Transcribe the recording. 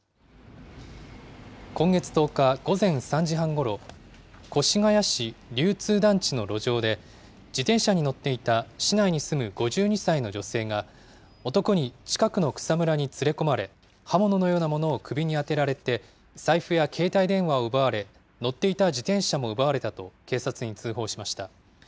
今月１０日午前３時半ごろ、越谷市流通団地の路上で、自転車に乗っていた市内に住む５２歳の女性が、男に近くの草むらに連れ込まれ、刃物のようなものを首に当てられて財布や携帯電話を奪われ、乗っていた自転車も奪われたと警察に通報しました。